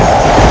itu udah gila